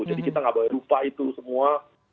jadi kita nggak boleh lupa itu semua